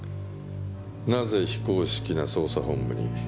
なぜ非公式な捜査本部に。